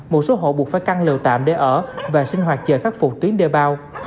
một số hộ buộc phải căng lều tạm để ở và sinh hoạt chờ khắc phục tuyến đê bao